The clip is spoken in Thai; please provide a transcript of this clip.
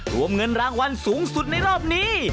รวมเงินรางวัลสูงสุดในรอบนี้